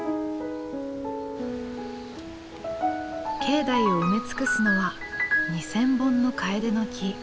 境内を埋め尽くすのは２，０００本のカエデの木。